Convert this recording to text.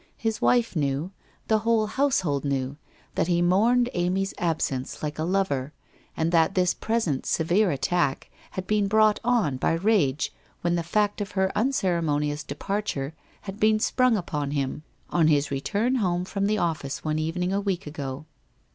His wife knew, the whole household knew, that he mourned Amy's absence like a lover, and that this present severe attack had been brought on by rage when the fact of her unceremonious departure had been sprung upon him on his return home from the office one evening a week ago.